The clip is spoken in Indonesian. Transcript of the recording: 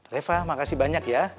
reva makasih banyak ya